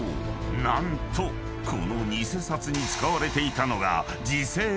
何とこの偽札に使われていたのが］